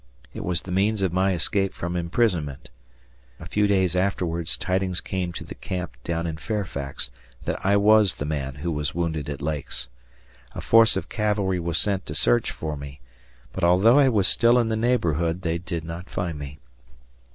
It was the means of my escape from imprisonment. A few days afterwards tidings came to the camp down in Fairfax that I was the man who was wounded at Lake's. A force of cavalry was sent to search for me, but although I was still in the neighborhood, they did not find me.